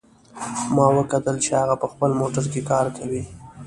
ما وکتل چې هغه په خپل موټر کې کار کوي